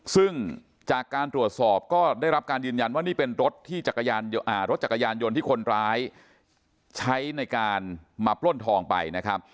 ซึ่งจากการตรวจสอบก็ได้รับการยืนยันว่านี่เป็นรถที่รถจักรยานยนต์ที่คนร้ายใช้ในการมาปล้นทองไปนะครับ